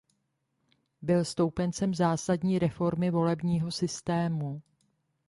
Byl stoupencem zásadní reformy volebního systému.